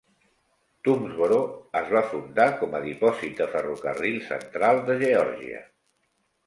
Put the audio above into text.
Toomsboro es va fundar com a dipòsit de ferrocarril central de Geòrgia.